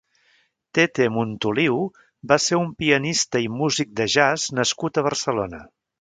Tete Montoliu va ser un pianista i músic de jazz nascut a Barcelona.